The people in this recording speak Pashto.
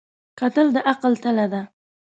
کتل د عقل تله ده